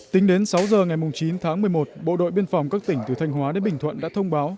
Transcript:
tính đến sáu giờ ngày chín tháng một mươi một bộ đội biên phòng các tỉnh từ thanh hóa đến bình thuận đã thông báo